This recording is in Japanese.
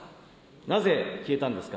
なぜ消えたんですか。